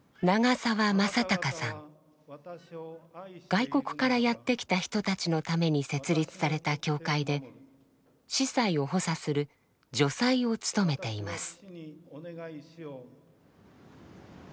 外国からやって来た人たちのために設立された教会で司祭を補佐する「助祭」を務めています。